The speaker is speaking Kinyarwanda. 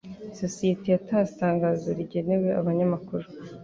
Isosiyete yatanze itangazo rigenewe abanyamakuru.